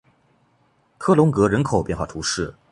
科隆格人口变化图示